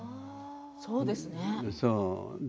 そうですね。